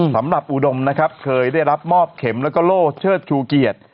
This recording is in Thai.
สำหรับอุดมนะครับเคยได้รับมอบเข็มและโลศ์เชิดชูเกียจ